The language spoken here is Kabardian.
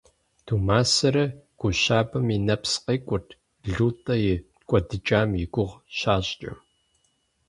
Думэсарэ гу щабэм и нэпс къекӀуэрт ЛутӀэ и кӀуэдыкӀам и гугъу щащӀкӀэ.